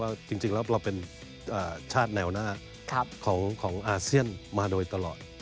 จริงแล้วเราเป็นชาติแนวหน้าของอาเซียนมาโดยตลอด